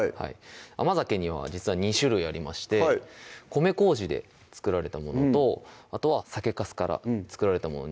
甘酒には実は２種類ありましてはい米糀で作られたものとあとは酒粕から作られたもの